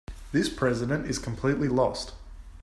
This president is completely lost.